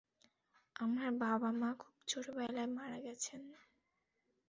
আমার বাবা-মা খুব ছোটবেলায় মারা গেছেন।